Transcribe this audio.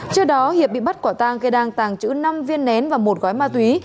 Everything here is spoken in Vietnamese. trước đó hiệp bị bắt quả tàng gây đăng tàng trữ năm viên nén và một gói ma túy